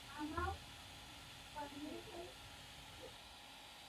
Durban আন্তর্জাতিক চলচ্চিত্র উৎসব